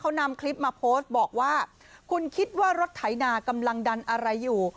เขานำคลิปมาโพสต์บอกว่าคุณคิดว่ารถไถนากำลังดันอะไรอยู่